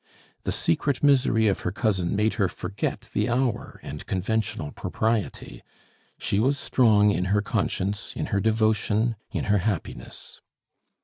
The secret misery of her cousin made her forget the hour and conventional propriety; she was strong in her conscience, in her devotion, in her happiness.